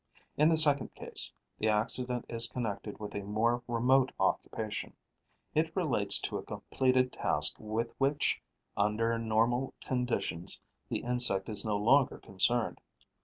In the second case, the accident is connected with a more remote occupation; it relates to a completed task with which, under normal conditions, the insect is no longer concerned.